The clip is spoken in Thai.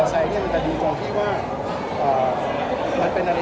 มันเป็นอะไรที่เรามันเกี่ยวกับสมาธิ